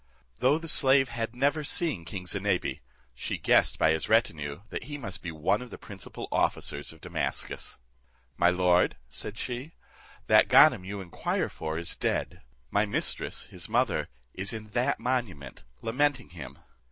Though the slave had never seen king Zinebi, she guessed by his retinue that he must be one of the principal officers of Damascus. "My lord," said she, "that Ganem you inquire for is dead; my mistress, his mother, is in that monument, lamenting him."